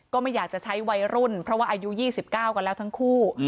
ก็ไม่อยากจะใช้วัยรุ่นเพราะว่าอายุ๒๙กันแล้วทั้งคู่